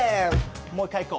もう一回行こう。